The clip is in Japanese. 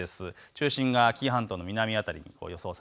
中心が紀伊半島の南辺り。